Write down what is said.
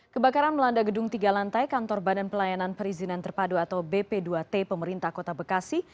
kebakaran melanda gedung tiga lantai kantor badan pelayanan perizinan terpadu atau bp dua t pemerintah kota bekasi